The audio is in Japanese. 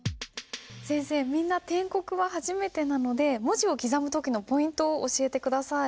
先生みんな篆刻は初めてなので文字を刻む時のポイントを教えて下さい。